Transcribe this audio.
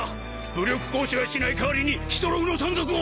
武力行使はしない代わりにヒトログの存続を！